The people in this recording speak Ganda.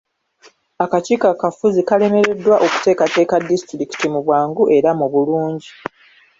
Akakiiko akafuzi kalemereddwa okuteekateekera disitulikiti mu bwangu era mu bulungi.